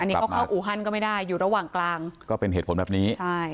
อันนี้ก็เข้าอูฮันก็ไม่ได้อยู่ระหว่างกลางก็เป็นเหตุผลแบบนี้ใช่